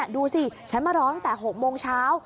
ดูสิฉันมารอตั้งแต่๖โมงเช้า